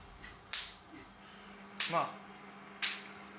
まあ。